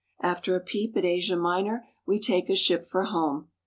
After a peep at Asia Minor we take a ship for home.